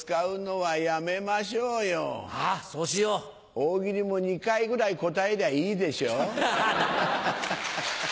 大喜利も２回ぐらい答えりゃいいでしょう。